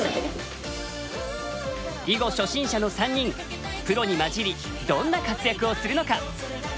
囲碁初心者の３人プロに交じりどんな活躍をするのか。